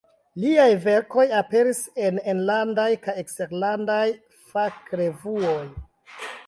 Liaj verkoj aperis en enlandaj kaj eksterlandaj fakrevuoj.